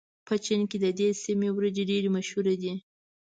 په چين کې د دې سيمې وريجې ډېرې مشهورې دي.